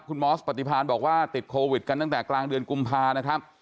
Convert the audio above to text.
คุณมอสปฏิพานบอกว่าติดโควิดกันตั้งแต่กลางเดือนกุมภานะครับ